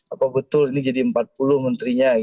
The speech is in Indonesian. apa betul ini jadi empat puluh menterinya